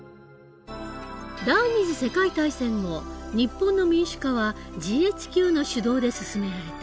第２次世界大戦後日本の民主化はＧＨＱの主導で進められた。